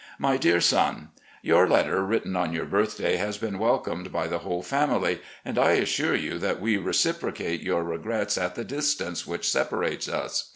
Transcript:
My Dear Son: Yom letter written on your birthday has been welcomed by the whole family, and I assure you 26 o recollections OF GENERAL LEE that we reciprocate yotir regrets at the distance which separates us.